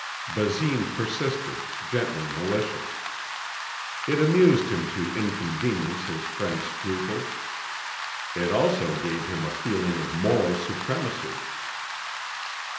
Basine persisted, gently malicious. It amused him to inconvenience his friend's scruples. It also gave him a feeling of moral supremacy.